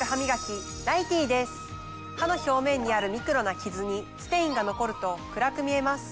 歯の表面にあるミクロなキズにステインが残ると暗く見えます。